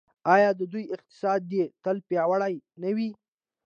آیا د دوی اقتصاد دې تل پیاوړی نه وي؟